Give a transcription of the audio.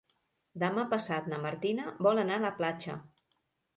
Demà passat na Martina vol anar a la platja.